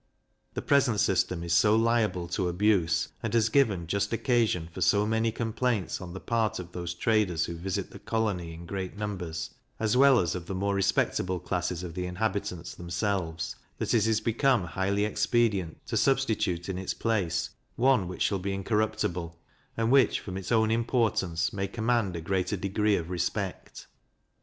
The present system is so liable to abuse, and has given just occasion for so many complaints on the part of those traders who visit the colony in great numbers, as well as of the more respectable classes of the inhabitants themselves, that it is become highly expedient to substitute in its place one which shall be incorruptible, and which, from its own importance, may command a greater degree of respect.